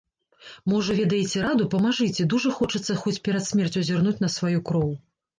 Можа, ведаеце раду, памажыце, дужа хочацца хоць перад смерцю зірнуць на сваю кроў.